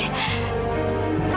kalau itu mau papa